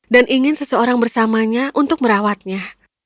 dan ingin seseorang bersamanya untuk merawatnya